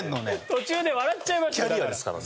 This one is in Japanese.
途中で笑っちゃいましたよだから。